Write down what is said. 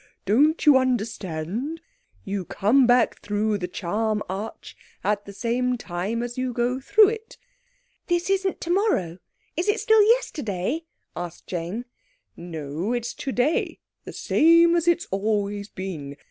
Don't you understand? You come back through the charm arch at the same time as you go through it. This isn't tomorrow!" "Is it still yesterday?" asked Jane. "No, it's today. The same as it's always been.